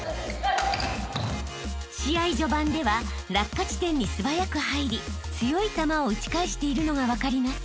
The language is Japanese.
［試合序盤では落下地点に素早く入り強い球を打ち返しているのが分かります］